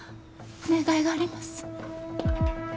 お願いがあります。